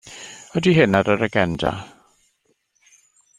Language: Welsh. Ydy hyn ar yr agenda?